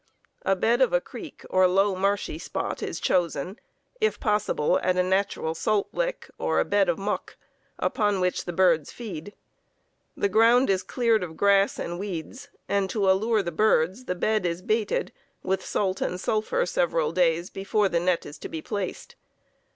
A bed of a creek or low marshy spot is chosen, if possible at a natural salt lick, or a bed of muck, upon which the birds feed. The ground is cleared of grass and weeds, and to allure the birds the bed is "baited" with salt and sulphur several days before the net is to be placed.